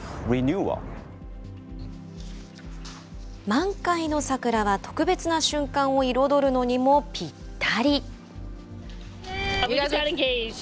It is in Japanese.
満開の桜は特別な瞬間を彩るのにもぴったり。